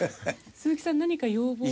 鈴木さん何か要望を。